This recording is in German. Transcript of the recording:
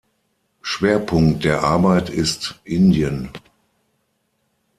Schwerpunkt der Arbeit ist Indien.